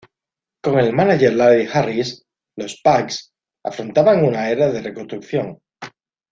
Con el mánager Larry Harris, los Bucks afrontaban una era de reconstrucción.